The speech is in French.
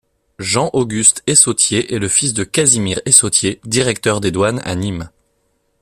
Jean-Auguste Eyssautier est le fils de Casimir Eyssautier, directeur des douanes à Nîmes.